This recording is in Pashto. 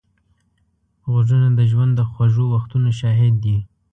غوږونه د ژوند د خوږو وختونو شاهد دي